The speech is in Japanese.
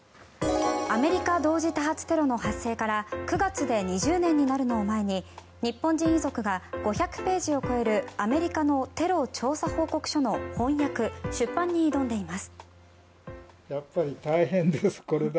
アメリカ同時多発テロの発生から９月で２０年になるのを前に日本人遺族が５００ページを超えるアメリカのテロ調査報告書の翻訳・出版に挑んでいます。